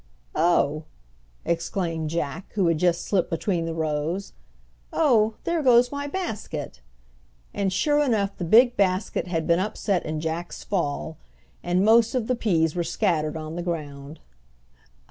"Oh!" exclaimed Jack, who had just slipped between the rows. "Oh! there goes my basket." And sure enough the big basket had been upset in Jack's fall, and most of the peas were scattered on the ground.